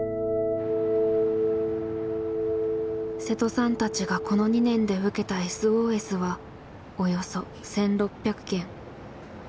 瀬戸さんたちがこの２年で受けたＳＯＳはおよそ１，６００件。